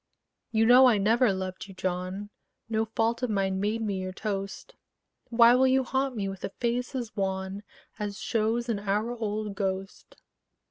You know I never loved you, John; No fault of mine made me your toast: Why will you haunt me with a face as wan As shows an hour old ghost?